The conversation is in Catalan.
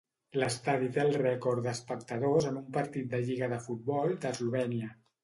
L'estadi té el rècord d'espectadors en un partit de lliga de futbol d'Eslovènia.